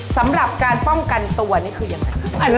สำหรับการป้องกันตัวนี่คือยังไง